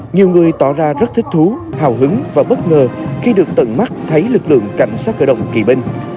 nhiều người tỏ ra rất thích thú hào hứng và bất ngờ khi được tận mắt thấy lực lượng cảnh sát cơ động kỳ binh